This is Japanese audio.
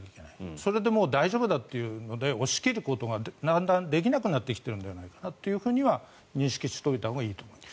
それでもう大丈夫だというので押し切ることがだんだんできなくなってきているんではないかなというふうには認識しておいたほうがいいと思います。